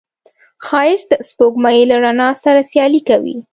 ښایست د سپوږمۍ له رڼا سره سیالي کوي